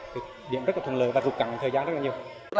thực hiện rất là thuận lợi và rụt cảnh thời gian rất là nhiều